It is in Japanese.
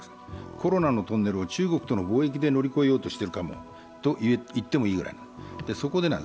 コロナのトンネルを中国との貿易で乗り越えようとしていると言ってもいいくらい。